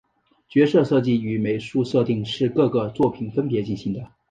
角色设计与美术设定是各个作品分别进行的。